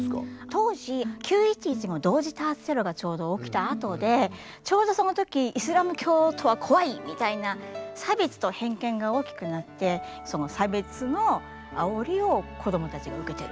当時９．１１の同時多発テロがちょうど起きたあとでちょうどその時イスラム教徒は怖いみたいな差別と偏見が大きくなって差別のあおりを子供たちが受けてるっていう。